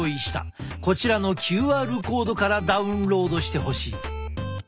こちらのＱＲコードからダウンロードしてほしい。